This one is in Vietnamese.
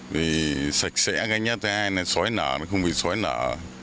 vì sạch sẽ gánh nhất thứ hai là xói nở không bị xói nở